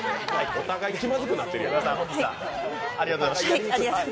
お互い気まずくなってるやん。